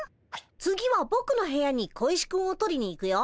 次はぼくの部屋に小石くんを取りに行くよ。